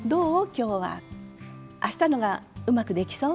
今日はあしたの方がうまくできそう？